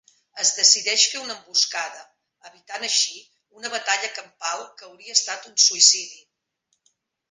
Es decideix fer una emboscada, evitant així una batalla campal que hauria estat un suïcidi.